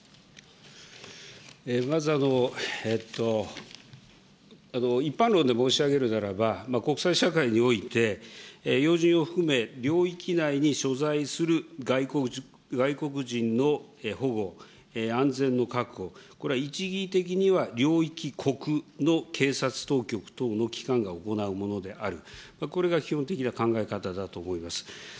まず、一般論で申し上げるならば、国際社会において、要人を含め領域内に所在する外国人の保護、安全の確保、これは一義的には、領域国の警察当局等の機関が行うものである、これが基本的な考え方だと思います。